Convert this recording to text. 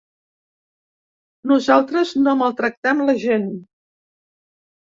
Nosaltres no maltractem la gent.